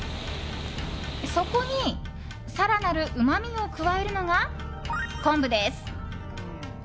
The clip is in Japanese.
そこに更なるうまみを加えるのが昆布です。